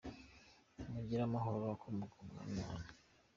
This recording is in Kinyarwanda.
Ni mugire amahoro akomoka ku Mwami Imana.